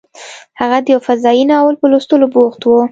هغه د یو فضايي ناول په لوستلو بوخت و